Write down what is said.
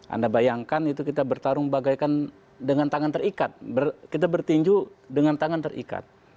anda bayangkan itu kita bertarung bagaikan dengan tangan terikat kita bertinju dengan tangan terikat